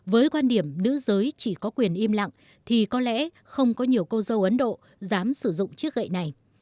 với quan điểm nữ giới chỉ có quyền im lặng thì có lẽ không có nhiều cô dâu ấn độ dám sử dụng chiếc gậy này